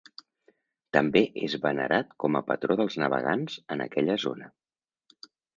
També és venerat com a patró dels navegants en aquella zona.